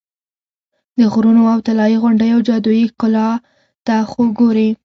د غرونو او طلایي غونډیو جادویي ښکلا ته خو ګورې.